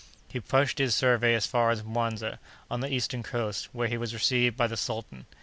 He pushed his survey as far as Muanza, on the eastern coast, where he was received by the sultan.